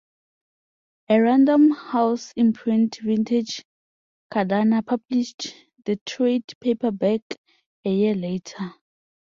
A Random House imprint, Vintage Canada, published the trade paperback a year later.